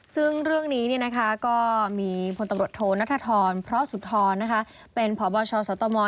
ซึ่งเรื่องนี้ก็มีพลตำรวจโทนัทธรพระสุธรเป็นพบชสตม